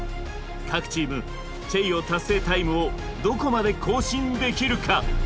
各チームチェイヨー達成タイムをどこまで更新できるか。